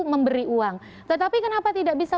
memberi uang tetapi kenapa tidak bisa